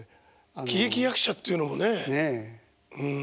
喜劇役者っていうのもねうん。